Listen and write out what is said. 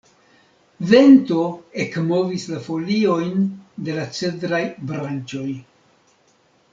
Vento ekmovis la foliojn de la cedraj branĉoj.